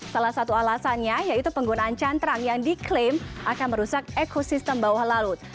salah satu alasannya yaitu penggunaan cantrang yang diklaim akan merusak ekosistem bawah laut